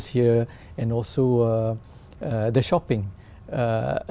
những sản phẩm văn hóa